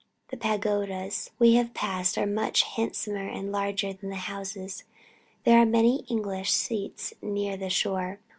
The pagodas we have passed are much handsomer and larger than the houses. There are many English seats near the shore....